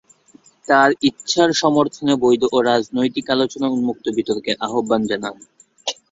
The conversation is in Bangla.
তার ইচ্ছার সমর্থনে বৈধ ও রাজনৈতিক আলোচনায় উন্মুক্ত বিতর্কের আহ্বান জানান।